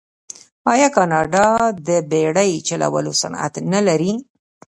آیا کاناډا د بیړۍ چلولو صنعت نلري؟